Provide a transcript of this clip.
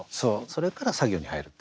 それから作業に入る。